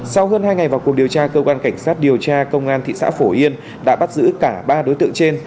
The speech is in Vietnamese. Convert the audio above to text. sau hơn hai ngày vào cuộc điều tra cơ quan cảnh sát điều tra công an thị xã phổ yên đã bắt giữ cả ba đối tượng trên